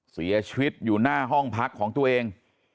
เสียชีวิตอยู่หน้าห้องพักของตัวเอง